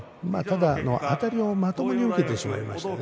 あたりをまともに受けてしまいましたね